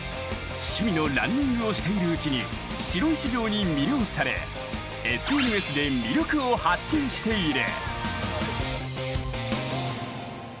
趣味のランニングをしているうちに白石城に魅了されＳＮＳで魅力を発信している。